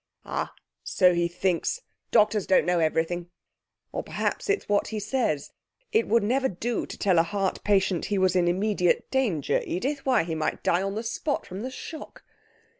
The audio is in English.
'Ah, so he thinks. Doctors don't know everything. Or perhaps it's what he says. It would never do to tell a heart patient he was in immediate danger, Edith; why, he might die on the spot from the shock.'